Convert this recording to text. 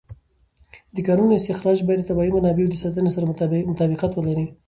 د کانونو استخراج باید د طبیعي منابعو د ساتنې سره مطابقت ولري.